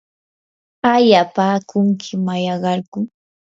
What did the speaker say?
¿aayapaakunki mallaqarku?